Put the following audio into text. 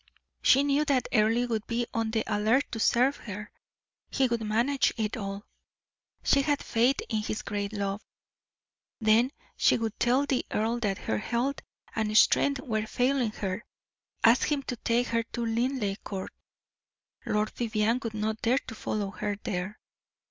She knew that Earle would be on the alert to serve her, he would manage it all. She had faith in his great love. Then she would tell the earl that her health and strength were failing her; ask him to take her to Linleigh Court. Lord Vivianne would not dare to follow her there.